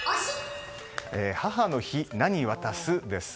母の日、何渡す？です。